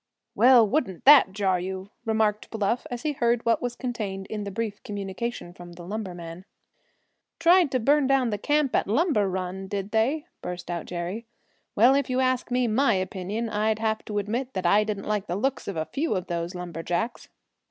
"Well, wouldn't that jar you?" remarked Bluff, as he heard what was contained in the brief communication from the lumberman. "Tried to burn down the camp at Lumber Run, did they?" burst out Jerry. "Well, if you asked me my opinion, I'd have to admit that I didn't like the looks of a few of those lumberjacks."